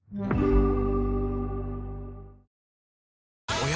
おや？